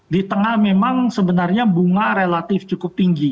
di tengah memang sebenarnya bunga relatif cukup tinggi